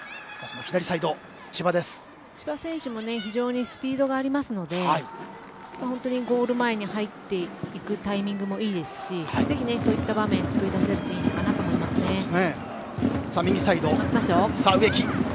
千葉選手も非常にスピードがありますので本当にゴール前に入っていくタイミングもいいですしぜひそういった場面を作り出せるといいのかと思います。